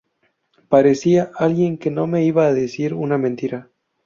Parecía alguien que no me iba a decir una mentira.